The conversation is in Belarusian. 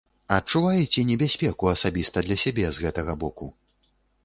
Адчуваеце небяспеку асабіста для сябе з гэтага боку?